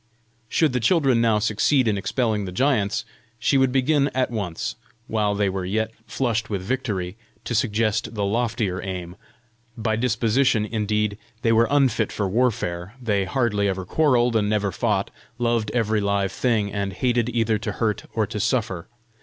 Should the children now succeed in expelling the giants, she would begin at once, while they were yet flushed with victory, to suggest the loftier aim! By disposition, indeed, they were unfit for warfare; they hardly ever quarrelled, and never fought; loved every live thing, and hated either to hurt or to suffer.